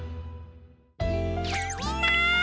みんな！